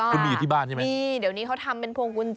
ถูกต้อง